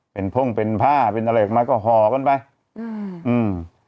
เป็นพ่งเป็นผ้าเป็นอะไรออกมาก็ห่อกันไปอืมอืม